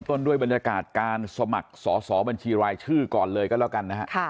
ต้นด้วยบรรยากาศการสมัครสอสอบัญชีรายชื่อก่อนเลยก็แล้วกันนะฮะ